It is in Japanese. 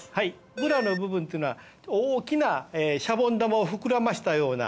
ブラの部分っていうのは大きなしゃぼん玉を膨らましたような